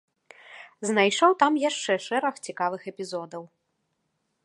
Знайшоў там яшчэ шэраг цікавых эпізодаў.